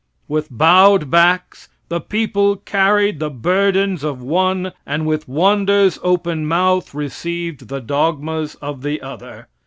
With bowed backs the people carried the burdens of one, and with wonder's open mouth received the dogmas of the other.